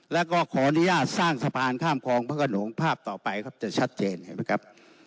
แล้วก็ขออนุญาตสร้างสะพานข้ามคลองพระขนงภาพต่อไปครับจะชัดเจนเห็นไหมครับ